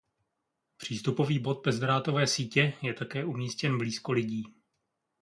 Přístupový bod bezdrátové sítě je také umístěn blízko lidí.